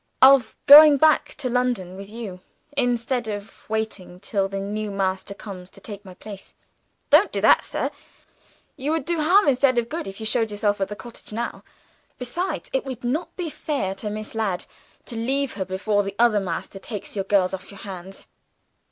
"Of going back to London with you, instead of waiting till the new master comes to take my place." "Don't do that, sir! You would do harm instead of good, if you showed yourself at the cottage now. Besides, it would not be fair to Miss Ladd, to leave her before the other man takes your girls off your hands.